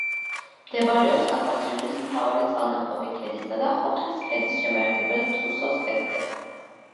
მდებარეობს კავკასიონის მთავარი წყალგამყოფი ქედისა და ხოხის ქედის შემაერთებელ თრუსოს ქედზე.